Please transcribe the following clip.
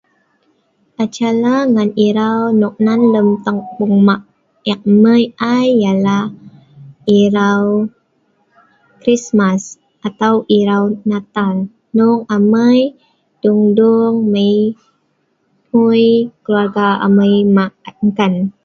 Acara ngan irau noknan lem kampung mah' ek noi ai ialah irau krismas atau irau natal hnong amai dung dung mai hngui keluarga amai mah' engkan.